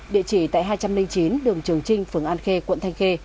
địa chỉ tại hai trăm linh chín đường trường trinh phường an khê quận thanh khê